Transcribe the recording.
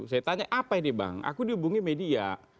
saya tanya apa ini bang aku dihubungi media